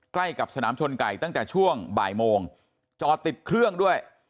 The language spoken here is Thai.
ใกล้กับสนามชนไก่ตั้งแต่ช่วงบ่ายโมงจอดติดเครื่องด้วย